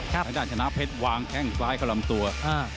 ครับข้างด้านชนะเพชรวางแข่งซ้ายเข้าลำตัวอ่า